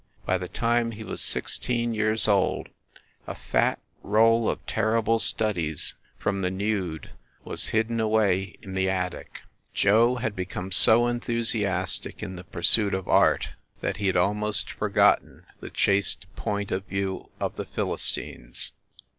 By the time he was sixteen years old, a fat roll of ter rible studies from the nude was hidden away in the PROLOGUE 9 attic. Joe had become so enthusiastic in the pursuit of art that he had almost forgotten the chaste point of view of the Philistines.